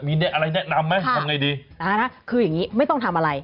มีอะไรแนะนำไหมทำไงดีอ่านะคืออย่างงี้ไม่ต้องทำอะไร